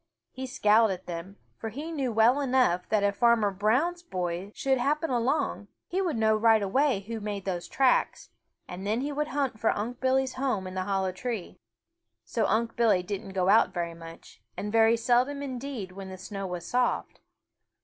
He scowled at them, for he knew well enough that if Farmer Brown's boy should happen along, he would know right away who had made those tracks, and then he would hunt for Unc' Billy's home in the hollow tree. So Unc' Billy didn't go out very much, and very seldom indeed when the snow was soft.